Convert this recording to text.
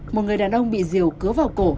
một người đàn ông bị diều cứa vào cổ